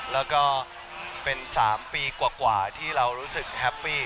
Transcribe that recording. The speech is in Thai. แล้วก็เป็น๓ปีกว่าที่เรารู้สึกแฮปปี้